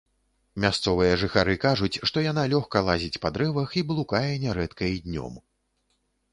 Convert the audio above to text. Мясцовыя жыхары кажуць, што яна лёгка лазіць па дрэвах і блукае нярэдка і днём.